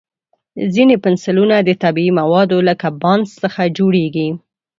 ځینې پنسلونه د طبیعي موادو لکه بانس څخه جوړېږي.